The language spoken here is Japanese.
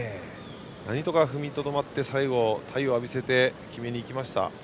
なんとか踏みとどまって最後、体を浴びせて決めに行きました。